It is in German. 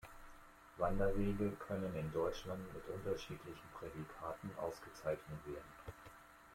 Wanderwege können in Deutschland mit unterschiedlichen Prädikaten ausgezeichnet werden.